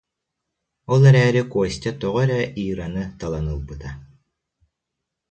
Ол эрээри Костя тоҕо эрэ Ираны талан ылбыта